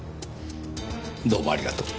どうもありがとう。